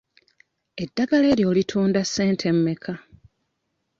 Eddagala eryo olitunda ssente mmeka?